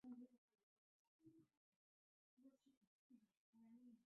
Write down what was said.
Di kuştina Nagihan Akarsel de destê Tirkiyeyê heye.